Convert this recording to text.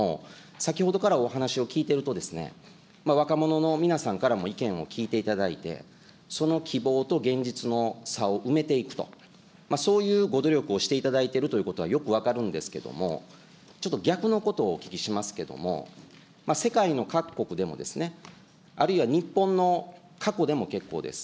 先ほどからお話を聞いていると、若者の皆さんからも意見を聞いていただいて、その希望と現実の差を埋めていくと、そういうご努力をしていただいているということはよく分かるんですけども、ちょっと逆のことをお聞きしますけども、世界の各国でも、あるいは日本の過去でも結構です。